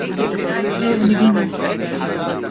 Ev nivîn in.